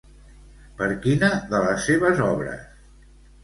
Per quina de les seves obres?